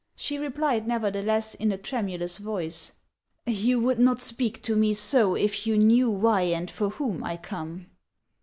She replied, nevertheless, in a tremulous voice :" You would not speak to me so if you knew why and for whom I come."